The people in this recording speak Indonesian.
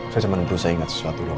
saya cuma perlu saya ingat sesuatu doang